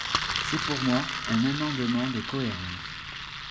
C’est pour moi un amendement de cohérence.